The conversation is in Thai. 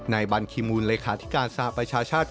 บันคีมูลเลขาธิการสหประชาชาติ